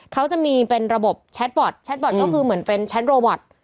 เขาจะมีเป็นระบบแชทบอร์ดแชทบอร์ดก็คือเหมือนเป็นแชทโรวอท